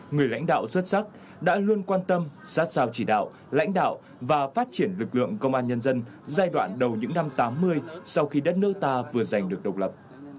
người lãnh đạo xuất sắc đã luôn quan tâm sát sao chỉ đạo lãnh đạo và phát triển lực lượng công an nhân dân giai đoạn đầu những năm tám mươi sau khi đất nước ta vừa giành được độc lập